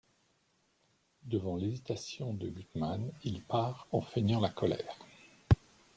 Devant l'hésitation de Gutman, il part en feignant la colère.